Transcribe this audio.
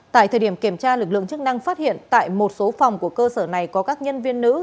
tại thời điểm kiểm tra lực lượng chức năng phát hiện tại một số phòng của cơ sở này có các nhân viên nữ